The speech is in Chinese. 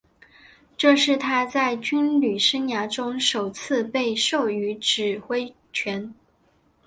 这是他在军旅生涯中首次被授予指挥权。